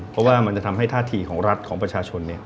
เพราะว่ามันจะทำให้ท่าทีของรัฐของประชาชน